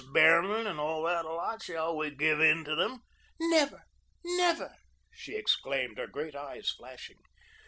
Behrman, and all that lot? Shall we give in to them?" "Never, never," she exclaimed, her great eyes flashing.